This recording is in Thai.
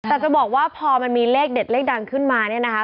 แต่จะบอกว่าพอมันมีเลขเด็ดเลขดังขึ้นมาเนี่ยนะคะ